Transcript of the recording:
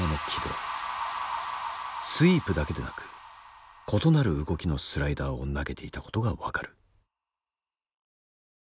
スイープだけでなく異なる動きのスライダーを投げていたことが分かる。